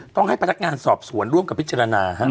ต้องให้พนักงานสอบสวนร่วมกับพิจารณา